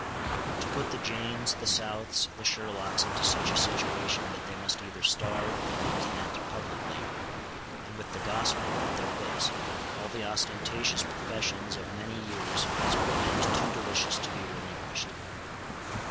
To put the Janes, the Souths, the Sherlocks into such a situation that they must either starve, or recant, publicly, and with the Gospel at their lips, all the ostentatious professions of many years, was a revenge too delicious to be relinquished.